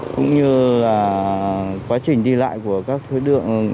cũng như là quá trình đi lại của các đối tượng